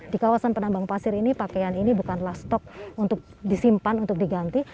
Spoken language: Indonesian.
di kawasan penambang pasir ini pakaian ini bukanlah stok untuk disimpan untuk diganti